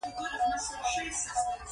په دې ورځو کې ټول بوخت دي